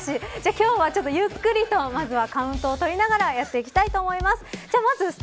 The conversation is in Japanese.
今日はゆっくりと、まずはカウントを取って流れやっていきたいと思います。